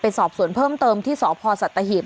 สอบสวนเพิ่มเติมที่สพสัตหีบ